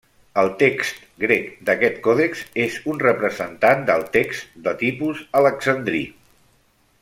El text grec d'aquest còdex és un representant del text de tipus Alexandrí.